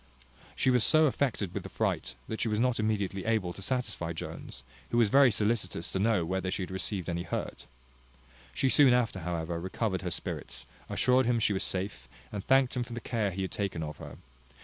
She was so affected with the fright, that she was not immediately able to satisfy Jones, who was very solicitous to know whether she had received any hurt. She soon after, however, recovered her spirits, assured him she was safe, and thanked him for the care he had taken of her.